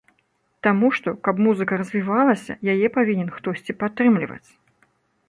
Таму што, каб музыка развівалася, яе павінен хтосьці падтрымліваць.